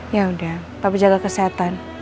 yaudah papa jaga kesehatan